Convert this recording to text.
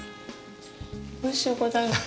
おいしゅうございます。